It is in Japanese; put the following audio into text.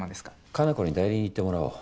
可南子に代理で行ってもらおう。